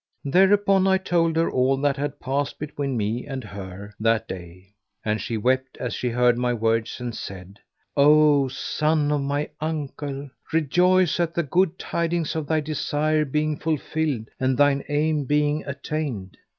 Thereupon I told her all that had passed between me and her that day; and she wept as she heard my words and said, "O son of my uncle, rejoice at the good tidings of thy desire being fulfilled and thine aim being attained.